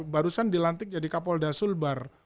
barusan dilantik jadi kapol dasul bar